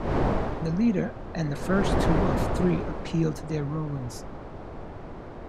The leader and the first two of the three appealed their rulings.